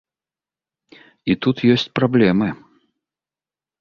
І тут ёсць праблемы.